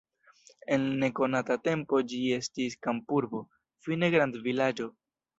En nekonata tempo ĝi estis kampurbo, fine grandvilaĝo.